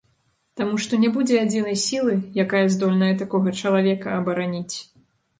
Таму што не будзе адзінай сілы, якая здольная такога чалавека абараніць.